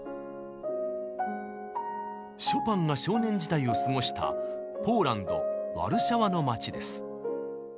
ショパンが少年時代を過ごしたポーランドワルシャワの町です。